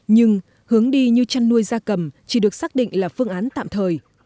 nhưng hướng đi như chăn nuôi da cầm chỉ được xác định là phương án tạm thời